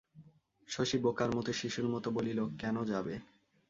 শশী বোকার মতো, শিশুর মতো বলিল, কেন যাবে?